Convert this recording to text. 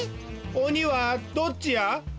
おにはどっちや？